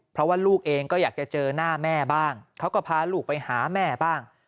เพราะว่าลูกเองก็อยากจะเจอหน้าแม่บ้างเขาก็พาลูกไปหาแม่บ้าง